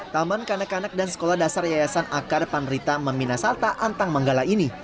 taman kanak kanak dan sekolah dasar yayasan akar panrita meminas alta antang menggala ini